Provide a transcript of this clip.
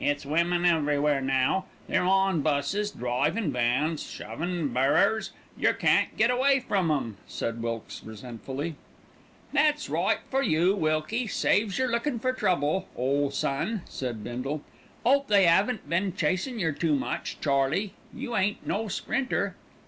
"It's women everywhere now. They're on buses, drivin' vans, shovin' barrers yer can't get away from 'em," said Wilkes resentfully. "That's all right for you, Wilkie, saves yer lookin' for trouble, ole son," said Bindle. "'Ope they 'aven't been chasin' yer too much, Charlie; you ain't no sprinter."